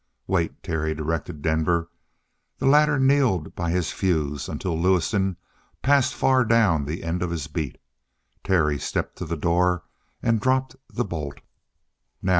"Wait," Terry directed Denver. The latter kneeled by his fuse until Lewison passed far down the end of his beat. Terry stepped to the door and dropped the bolt. "Now!"